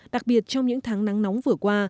đặc biệt trong những tháng nắng nóng vừa qua